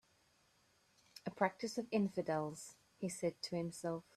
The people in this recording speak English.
"A practice of infidels," he said to himself.